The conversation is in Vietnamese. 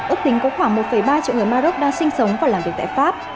ước tính có khoảng một ba triệu người maroc đang sinh sống và làm việc tại pháp